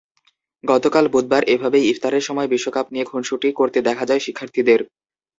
গতকাল বুধবার এভাবেই ইফতারের সময় বিশ্বকাপ নিয়ে খুনসুটি করতে দেখা যায় শিক্ষার্থীদের।